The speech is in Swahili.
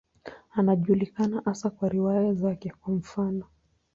Anajulikana hasa kwa riwaya zake, kwa mfano.